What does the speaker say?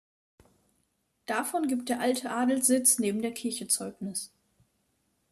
Davon gibt der alte Adelssitz neben der Kirche Zeugnis.